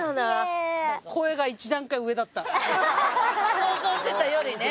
想像してたよりね。